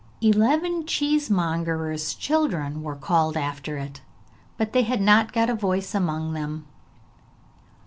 Eleven cheesemongers' children were called after it, but they had not got a voice among them.